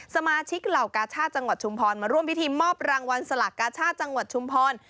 สมาชิกเหล่ากาชาติจังหวัดชุมพรมาร่วมพิธีมอบรางวัลสลากกาชาติจังหวัดชุมพร